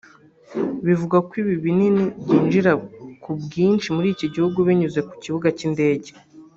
Bivugwa ko ibi binini byinjira ku bwinshi muri iki gihugu binyuze ku bibuga by’indege